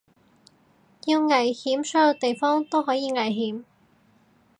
要危險所有地方都可以危險